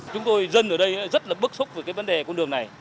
chúng tôi dân ở đây rất là bức xúc về cái vấn đề con đường này